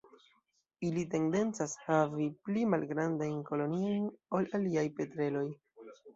Ili tendencas havi pli malgrandajn koloniojn ol aliaj petreloj.